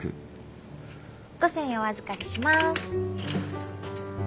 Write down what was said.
５千円お預かりします。